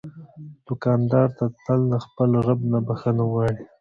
دوکاندار تل د خپل رب نه بخښنه غواړي.